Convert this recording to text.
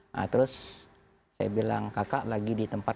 nah terus saya bilang kakak lagi di tempat